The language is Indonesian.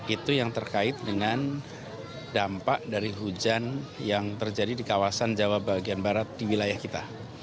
itu yang terkait dengan dampak dari hujan yang terjadi di kawasan jawa bagian barat di wilayah kita